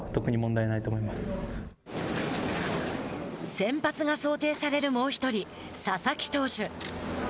先発が想定されるもう１人佐々木投手。